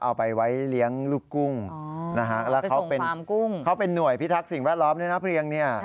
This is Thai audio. เอาไปไว้เลี้ยงลูกกุ้งเขาเป็นหน่วยพิทักษ์สิ่งแวดล้อมเนี่ยนะเพลียงเนี่ย